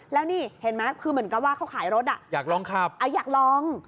แล้วนี่เห็นไหมคือเหมือนกับว่าเขาขายรถอ่ะอยากลองขับอ่ะอยากลอง